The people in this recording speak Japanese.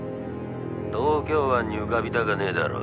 「東京湾に浮かびたかねえだろ。